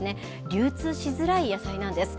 流通しづらい野菜なんです。